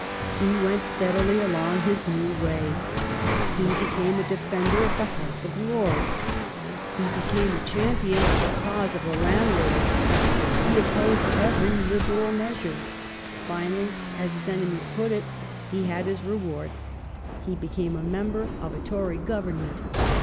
He went steadily along his new way. He became a defender of the House of Lords. He became a champion of the 374 THE STORY OF GLADSTONE'S LIFE cause of the landlords. He opposed every Liberal measure. Finally, as his enemies put it, he had his reward. He became a menilxr nf a Tory Govern ment.